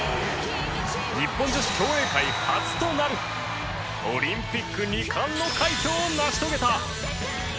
日本女子競泳界初となるオリンピック２冠の快挙を成し遂げた！